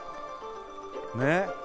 ねっ。